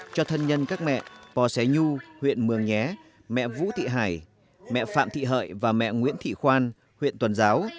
cho thân nhân các mẹ bò xế nhu huyện mường nhé mẹ vũ thị hải mẹ phạm thị hợi và mẹ nguyễn thị khoan huyện tuần giáo